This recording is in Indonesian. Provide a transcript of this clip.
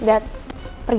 kita jalan sekarang